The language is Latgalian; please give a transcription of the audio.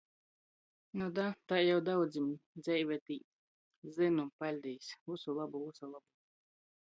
Nu da. Tai jau daudzim. Dzeive tī. Zynu. Paļdis. Vysu lobu. Vysu lobu.